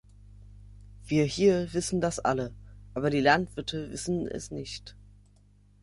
Wir hier wissen das alle, aber die Landwirte wissen es nicht.